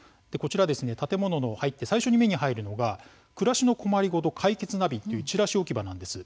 建物に入って最初に目に入るのが暮らしの困りごと解決ナビというちらし置き場なんです。